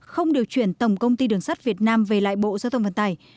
không điều chuyển tổng công ty đường sắt việt nam về lại bộ giao thông vận tải